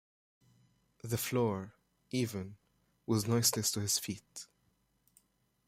The floor, even, was noiseless to his feet.